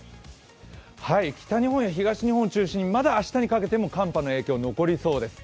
北日本や東日本中心に、まだ明日にかけても寒波の影響、残りそうです。